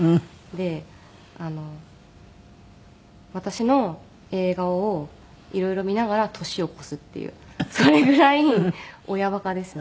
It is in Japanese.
で私の映画を色々見ながら年を越すっていうそれぐらい親馬鹿ですね。